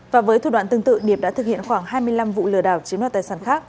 và với thủ đoạn tương tự điệp đã thực hiện khoảng hai mươi năm vụ lừa đảo chiếm đoạt tài sản khác